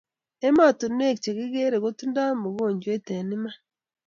emattunuek chekikere kotindai mukojwet eng iman